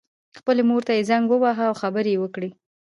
خپلې مور ته یې زنګ وواهه او خبرې یې وکړې